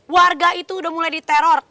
warga itu udah mulai diteror